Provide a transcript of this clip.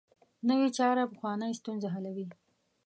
نوې چاره پخوانۍ ستونزه حلوي